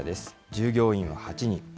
従業員は８人。